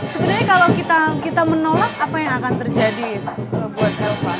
sebenarnya kalau kita menolak apa yang akan terjadi pak buat elva